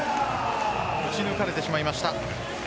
打ち抜かれてしまいました。